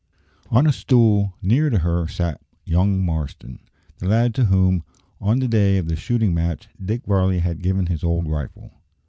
On a stool near to her sat young Marston, the lad to whom, on the day of the shooting match, Dick Varley had given his old rifle.